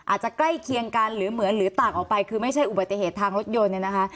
ใกล้เคียงกันหรือเหมือนหรือต่างออกไปคือไม่ใช่อุบัติเหตุทางรถยนต์เนี่ยนะคะ